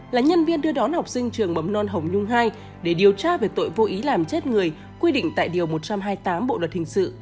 là nhân viên đưa đón học sinh trường mầm non hồng nhung hai để điều tra về tội vô ý làm chết người quy định tại điều một trăm hai mươi tám bộ luật hình sự